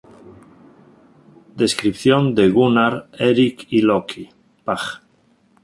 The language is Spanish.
Descripción de Gunnar, Erik y Loki: Pág.